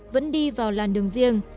vẫn đi vào làn đường riêng